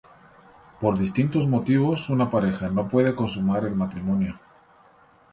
Por distintos motivos una pareja no puede consumar el matrimonio.